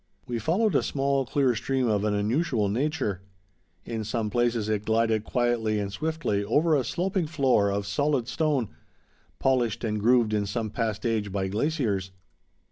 We followed a small, clear stream of an unusual nature. In some places it glided quietly and swiftly over a sloping floor of solid stone, polished and grooved in some past age by glaciers.